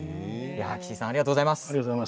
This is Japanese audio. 岸井さんありがとうございます。